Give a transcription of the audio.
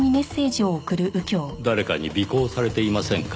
「誰かに尾行されていませんか？」